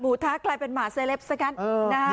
หมูทะกลายเป็นหมาเซเลปส์แล้วกันนะ